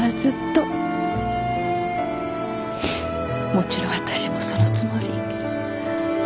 もちろんわたしもそのつもり。